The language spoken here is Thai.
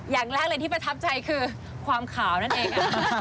อย่างแรกเลยที่ประทับใจคือความขาวนั่นเอง